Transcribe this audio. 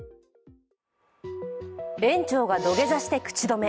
延長が土下座して口止め。